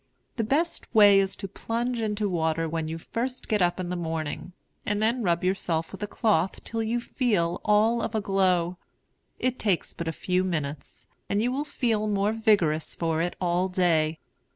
The best way is to plunge into water when you first get up in the morning, and then rub yourself with a cloth till you feel all of a glow. It takes but a few minutes, and you will feel more vigorous for it all day.